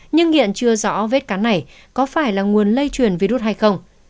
nhưng nghiện chưa rõ vết cắn này có phải là nguồn lây truyền virus hay không